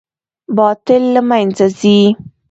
باطل له منځه ځي